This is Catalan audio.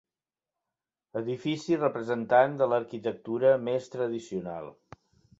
Edifici representant de l'arquitectura més tradicional.